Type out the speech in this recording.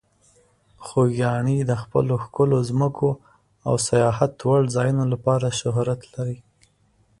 خوږیاڼي د خپلو ښکلو ځمکو او سیاحت وړ ځایونو لپاره شهرت لري.